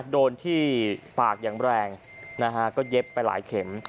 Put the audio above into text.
โดนที่ปากอย่างแรงนะฮะก็เย็บไปหลายเข็ม